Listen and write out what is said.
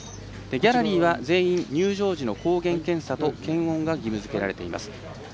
ギャラリーは全員入場時の抗原検査と検温が義務づけられています。